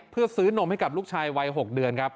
เพื่อซื้อนมให้กับลูกชายวัย๖เดือนครับ